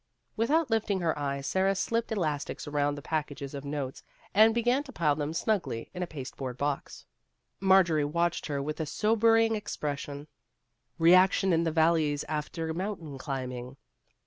Without lifting her eyes, Sara slipped elastics around the packages of notes, and began to pile them snugly in a pasteboard box. Marjorie watched her with a sober ing expression. " Reaction in the valleys after mountain climbing."